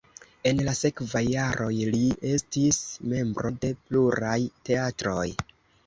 En la sekvaj jaroj li estis membro de pluraj teatroj.